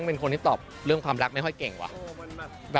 แต่ไม่ได้กำหนดกฏเกณฑ์